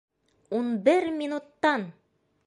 Ун бер минуттан!